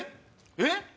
えっ？